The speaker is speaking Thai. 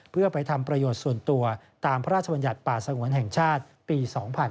เพื่อไปทำประโยชน์ส่วนตัวตามพระราชบัญญัติป่าสงวนแห่งชาติปี๒๕๕๙